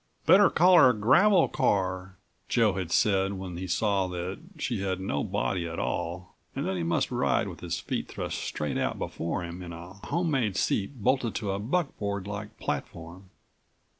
29 "Better call her 'Gravel Car,'" Joe had said when he saw that she had no body at all and that he must ride with his feet thrust straight out before him in a homemade seat bolted to a buckboard like platform.